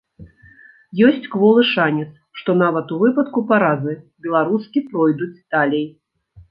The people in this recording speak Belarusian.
Ёсць кволы шанец, што нават у выпадку паразы беларускі пройдуць далей.